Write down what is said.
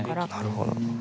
なるほど。